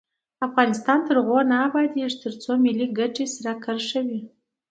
افغانستان تر هغو نه ابادیږي، ترڅو ملي ګټې سر کرښه وي.